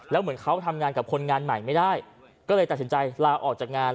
แล้วเหมือนเขาทำงานกับคนงานใหม่ไม่ได้ก็เลยตัดสินใจลาออกจากงาน